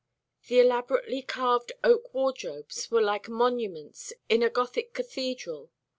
The elaborately carved oak wardrobes were like monuments in a Gothic cathedral.